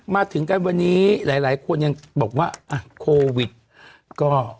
มาถึงกันวันนี้หลายคนยังบอกว่าอ่ะโควิดก็